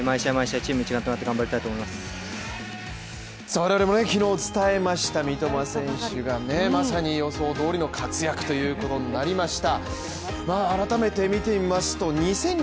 我々もね昨日伝えました三笘がまさに予想通りの活躍ということになりました